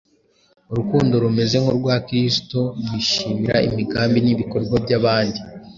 urukundo rumeze nk’urwa kristo rwishimira imigambi n’ibikorwa by’abandi.